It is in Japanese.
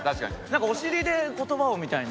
なんかお尻で言葉をみたいな。